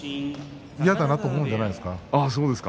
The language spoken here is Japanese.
嫌だなと思うんじゃないですか。